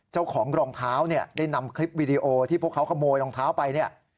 เจ้าของรองเท้าเนี่ยได้นำคลิปวีดีโอที่พวกเขาขโมยรองเท้าไปเนี่ย